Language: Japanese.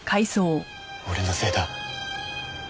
俺のせいだ。